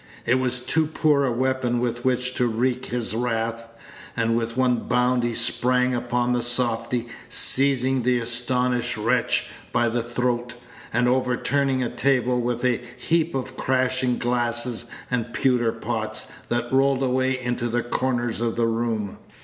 It was too poor a weapon with which to wreak his wrath, and with one bound he sprang upon the softy, seizing the astonished wretch by the throat, and overturning a table, with a heap of crashing glasses and pewter pots, that rolled away into the corners of the room.